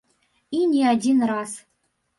І не адзін раз.